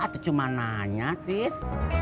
itu cuma nanya tis